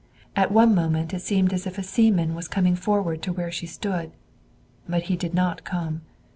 At one moment it seemed as if a seaman was coming forward to where she stood. But he did not come.